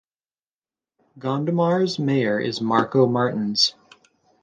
Gondomar's mayor is Marco Martins.